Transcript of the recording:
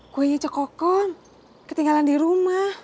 kuenya cekoko ketinggalan di rumah